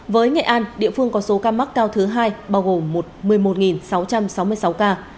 với nghệ an địa phương có số ca mắc cao thứ hai bao gồm một mươi một sáu trăm sáu mươi sáu ca